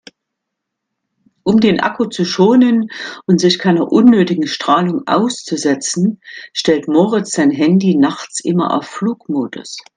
Um den Akku zu schonen und sich keiner unnötigen Strahlung auszusetzen, stellt Moritz sein Handy nachts immer auf Flugmodus.